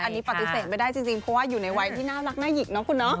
อันนี้ปฏิเสธไม่ได้จริงเพราะว่าอยู่ในวัยที่น่ารักน่าหยิกเนาะคุณเนาะ